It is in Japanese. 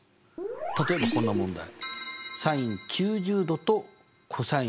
例えばこんな問題。